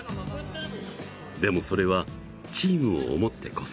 でもそれはチームを思ってこそ。